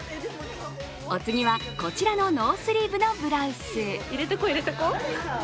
お次は、こちらのノースリーブのブラウス。